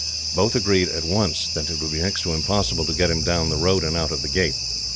Both agreed, at once, that it would be next to impossible to get him down the road and out of the gate.